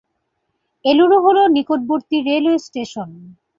এলুরু হলো নিকটবর্তী railway station.